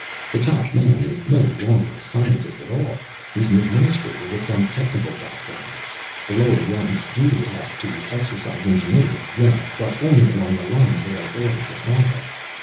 The top man is no longer a scientist at all he's an administrator with some technical background. The lower ranks do have to exercise ingenuity, yes, but only along the lines they are ordered to follow.